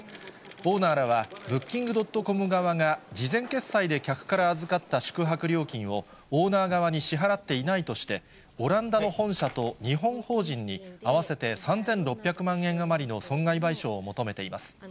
オーナーらはブッキングドットコム側が、事前決済で客から預かった宿泊料金を、オーナー側に支払っていないとして、オランダの本社と日本法人に合わせて３６００万円余りの損害賠償を求めています。